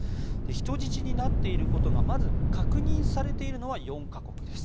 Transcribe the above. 人質になっていることがまず確認されているのは４か国です。